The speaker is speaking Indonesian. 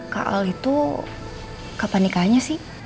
kak al itu kapan nikahnya sih